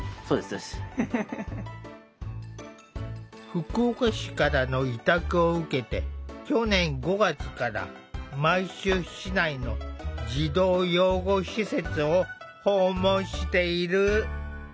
福岡市からの委託を受けて去年５月から毎週市内の児童養護施設を訪問している。